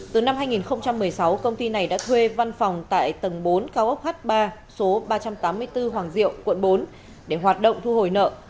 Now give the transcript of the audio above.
từ năm hai nghìn một mươi sáu công ty này đã thuê văn phòng tại tầng bốn cao ốc h ba số ba trăm tám mươi bốn hoàng diệu quận bốn để hoạt động thu hồi nợ